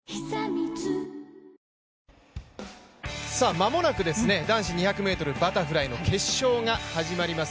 間もなく男子２００ｍバタフライの決勝が始まります。